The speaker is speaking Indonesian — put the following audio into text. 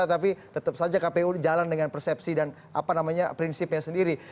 tapi tetap saja kpu jalan dengan persepsi dan prinsipnya sendiri